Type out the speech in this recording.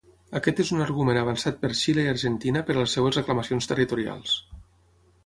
Aquest és un argument avançat per Xile i Argentina per a les seves reclamacions territorials.